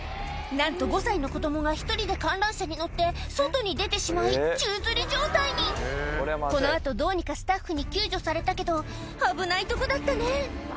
なんと５歳の子供が１人で観覧車に乗って外に出てしまい宙づり状態にこの後どうにかスタッフに救助されたけどアブナイとこだったね